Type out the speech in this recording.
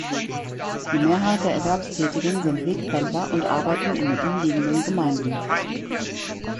Die Mehrheit der Erwerbstätigen sind Wegpendler und arbeiten in den umliegenden Gemeinden.